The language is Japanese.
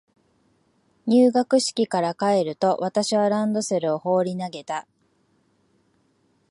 入学式から帰ると、私はランドセルを放り投げた。